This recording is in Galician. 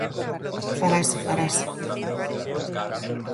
Farase, farase.